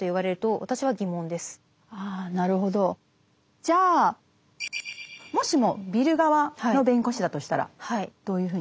じゃあもしもビル側の弁護士だとしたらどういうふうに？